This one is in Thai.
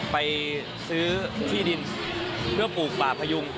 ไปซื้อที่ดินเพื่อปลูกป่าพยุง